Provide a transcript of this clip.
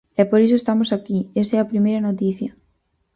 E por iso estamos aquí, esa é a primeira noticia.